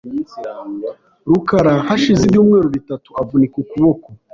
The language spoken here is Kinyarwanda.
rukara hashize ibyumweru bitatu avunika ukuboko .